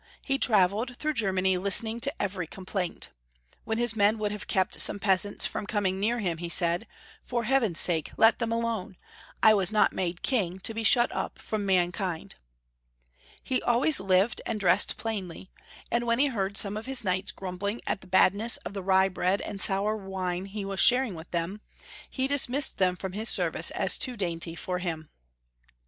He trav eled through Germany listening to every com plaint. When his men would have kept some peasants from coming near him, he said, "For Heaven's sake let them alone. I was not made King to be shut up from mankind." He always lived and dressed plainly, and when he heard some of his knights grumbling at the badness of the rye bread and sour wine he was sharing with them, he dismissed them from his service as too dainty for him.